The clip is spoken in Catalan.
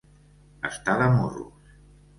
Estar de morros.